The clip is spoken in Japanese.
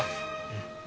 うん。